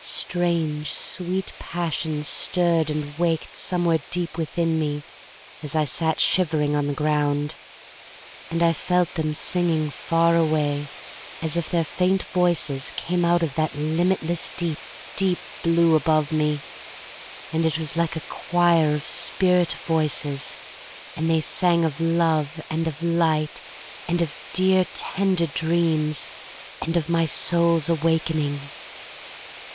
— Strange, sweet passions stirred and waked somewhere deep within me as I sat shivering on the ground. And I felt them singing far away, as if their faint voices came out of that limitless deep, deep blue above me; and it was like a choir of spirit voices, and they sang of love and of light and of dear THE STORY OF MARY MAC LANE lOI tender dreams, and of my soul's awak ening.